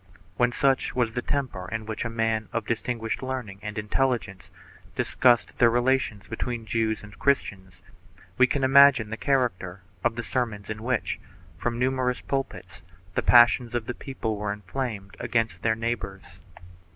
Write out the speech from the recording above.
2 When such was the temper in which a man of distinguished learning and intelligence discussed the relations between Jews and Christians, we can imagine the character of the sermons in which, from numerous pulpits, the passions of the people were inflamed against their neighbors.